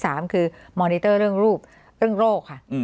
สามคือมอนิเตอร์เรื่องรูปเรื่องโรคค่ะ